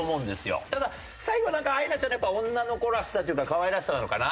ただ最後なんかアイナちゃんの女の子らしさっていうか可愛らしさなのかな。